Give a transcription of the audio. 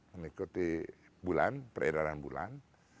mengikuti peredaran bulan